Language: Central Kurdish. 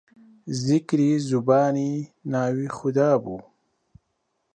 زیکری زوبانی ناوی خودابوو